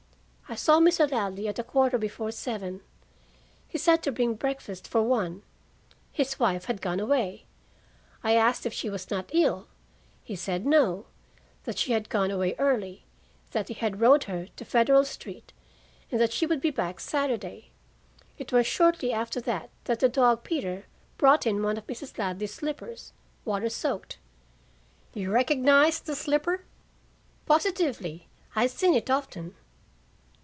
"I saw Mr. Ladley at a quarter before seven. He said to bring breakfast for one. His wife had gone away. I asked if she was not ill, and he said no; that she had gone away early; that he had rowed her to Federal Street, and that she would be back Saturday. It was shortly after that that the dog Peter brought in one of Mrs. Ladley's slippers, water soaked." "You recognized the slipper?" "Positively. I had seen it often."